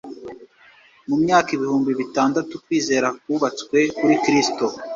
Mu myaka ibihumbi bitandatu kwizera kubatswe kuri Kristo.